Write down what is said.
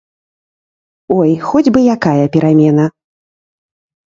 Ой, хоць бы якая перамена!